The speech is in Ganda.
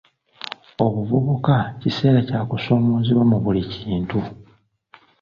Obuvubuka kiseera kya kusoomoozebwa mu buli kintu.